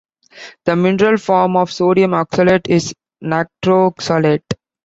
The mineral form of sodium oxalate is natroxalate.